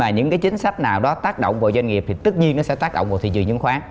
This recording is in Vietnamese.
những cái chính sách nào đó tác động vào doanh nghiệp thì tất nhiên nó sẽ tác động vào thị trường chứng khoán